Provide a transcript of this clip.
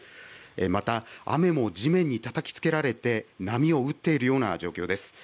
また雨も地面にたたきつけられて波を打っているような状況です。